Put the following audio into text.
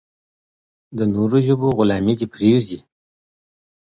د نورو ژبو غلامي دې پرېږدي.